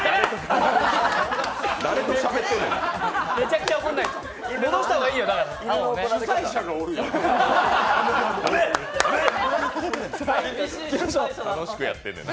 誰としゃべってんねん。